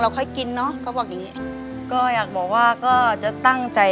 ค่อยกินเนอะก็บอกอย่างงี้ก็อยากบอกว่าก็จะตั้งใจ